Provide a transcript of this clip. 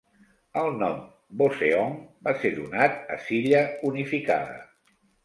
El nom "Boseong" va ser donat a Silla unificada.